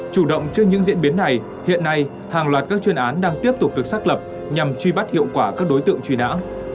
chủ động trước những diễn biến này hiện nay hàng loạt các chuyên án đang tiếp tục được xác lập nhằm truy bắt hiệu quả các đối tượng truy nã